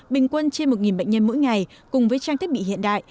bình quân trên một bệnh nhân mỗi ngày cùng với trang thiết bị hiện đại